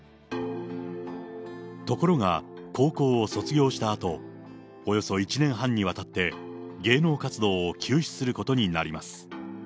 ところが、高校を卒業したあと、およそ１年半にわたって芸能活動を休止することになります。